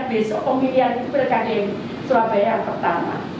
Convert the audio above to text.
besok pemilihan itu berikadang swabaya yang pertama